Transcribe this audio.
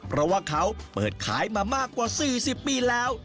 เพราะว่าเขาเปิดขายมากว่าสื่อ๑๐ปีแล้ว